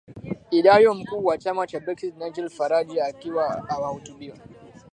ijayo Mkuu wa chama cha Brexit Nigel Farage akiwahutubia